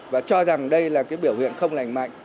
và cho rằng đây là cái biểu hiện không lành mạnh